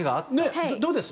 どうです？